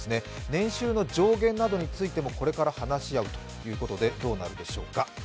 年収の上限などについてもこれから話し合うということでどうなるでしょうか。